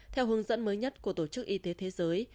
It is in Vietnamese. theo hướng dẫn mới nhất của tổ chức y tế thế giới